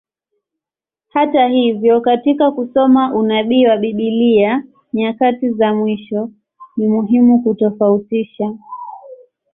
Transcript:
Hata hivyo, katika kusoma unabii wa Biblia nyakati za mwisho, ni muhimu kutofautisha.